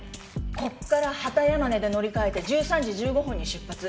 ここから畑山根で乗り換えて１３時１５分に出発。